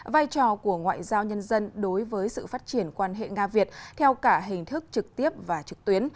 vai trò của ngoại giao nhân dân đối với sự phát triển quan hệ nga việt theo cả hình thức trực tiếp và trực tuyến